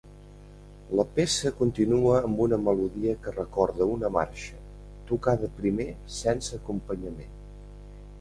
La peça continua amb una melodia que recorda una marxa, tocada primer sense acompanyament.